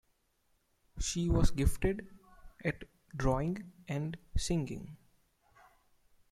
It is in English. She was gifted at drawing and singing.